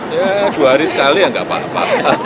ya dua hari sekali ya nggak apa apa